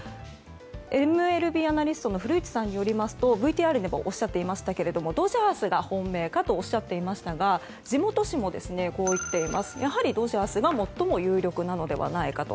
ＭＬＢアナリストの古内さんによりますとＶＴＲでもおっしゃっていましたけれどもドシャースが本命かとおっしゃっていましたが地元紙もやはりドジャースが最も有力なのではないかと。